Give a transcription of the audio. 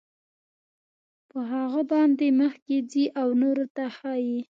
په هغه باندې مخکې ځي او نورو ته ښایي.